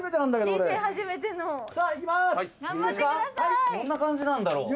どんな感じなんだろう？